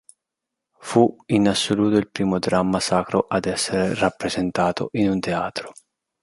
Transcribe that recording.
Fu in assoluto il primo dramma sacro ad essere rappresentato in un teatro.